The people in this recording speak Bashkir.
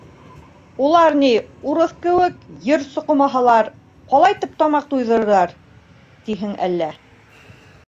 Улар ни, урыҫ кеүек, ер соҡомаһалар, ҡалайтып тамаҡ туйҙырырҙар, тиһең әллә...